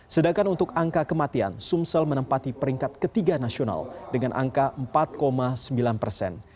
sedangkan untuk angka kematian sumsel menempati peringkat ketiga nasional dengan angka empat sembilan persen